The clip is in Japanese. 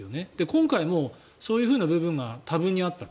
今回もそういうふうな部分が多分にあった。